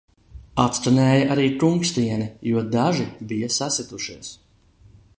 Atskanēja arī kunkstieni, jo daži bija sasitušies.